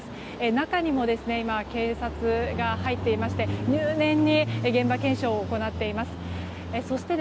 中にも今、警察が入っていまして入念に現場検証を行っています。